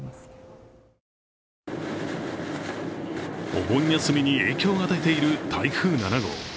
お盆休みに影響が出ている台風７号。